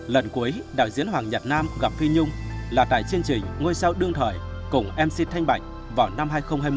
lần cuối đạo diễn hoàng nhật nam gặp phi nhung là tại chương trình ngôi sao đương thời cùng mc thanh bạch vào năm hai nghìn hai mươi